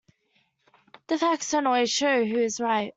The facts don't always show who is right.